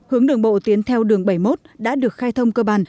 hướng đường bộ tiến theo đường bảy mươi một đã được khai thông cơ bản